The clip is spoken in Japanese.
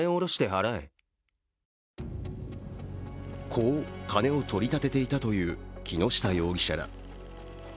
こう金を取り立てていたという木下容疑者ら。